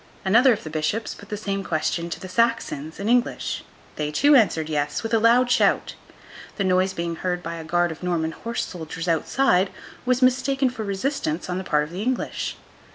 Another of the bishops put the same question to the Saxons, in English. They too answered Yes, with a loud shout. The noise being heard by a guard of Norman horse soldiers outside, was mistaken for resistance on the part of the English.